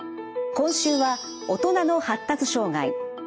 今週は「大人の発達障害」。